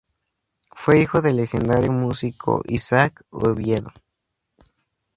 Fue hijo del legendario músico Isaac Oviedo.